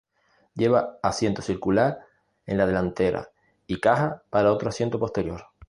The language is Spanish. Lleva asiento circular en la delantera y caja para otro asiento posterior.